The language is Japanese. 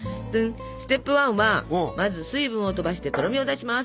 ステップ１はまず水分を飛ばしてとろみを出します。